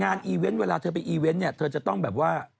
งานอีเว้นเวลาเธอไปอีเว้นเนี่ยเธอจะต้องแบบว่า